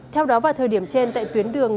theo đó vào thời điểm trên tại tuyến đường